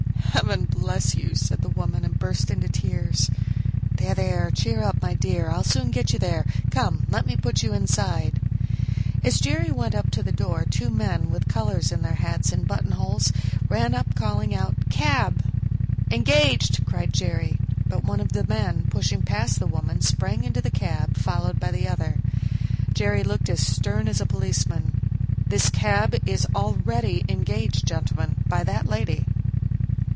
"Heaven bless you!" said the woman, and burst into tears. "There, there, cheer up, my dear, I'll soon take you there; come, let me put you inside." As Jerry went to open the door two men, with colors in their hats and buttonholes, ran up calling out, "Cab!" "Engaged," cried Jerry; but one of the men, pushing past the woman, sprang into the cab, followed by the other. Jerry looked as stern as a policeman. "This cab is already engaged, gentlemen, by that lady."